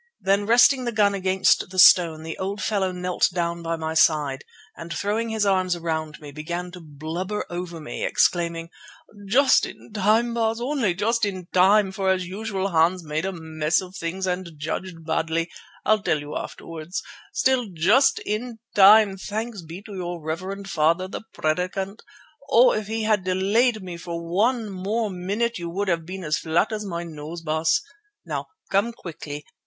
Then, resting the gun against the stone, the old fellow knelt down by my side and, throwing his arms around me, began to blubber over me, exclaiming: "Just in time, Baas! Only just in time, for as usual Hans made a mess of things and judged badly—I'll tell you afterwards. Still, just in time, thanks be to your reverend father, the Predikant. Oh! if he had delayed me for one more minute you would have been as flat as my nose, Baas. Now come quickly.